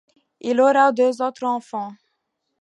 Il aura deux autres enfants.